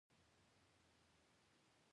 لکه پخوا چې مې هم ليدلى وي.